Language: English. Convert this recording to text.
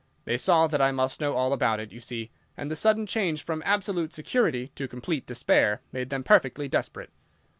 They saw that I must know all about it, you see, and the sudden change from absolute security to complete despair made them perfectly desperate.